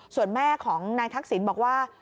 ส่วนแม่ของนายทักษิณบอกว่า